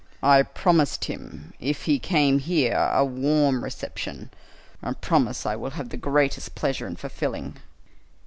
I promised him, if he came here, a warm reception a promise I will have the greatest pleasure in fulfilling."